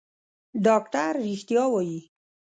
ډاکتر رښتيا وايي.